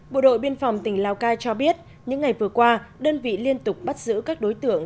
bộ đội biên phòng tỉnh lào cai cho biết những ngày vừa qua đơn vị liên tục bắt giữ các đối tượng